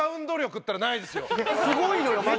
すごいのよマジで。